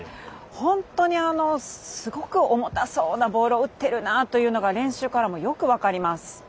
本当にすごく重たそうなボールを打ってるなというのが練習からもよく分かります。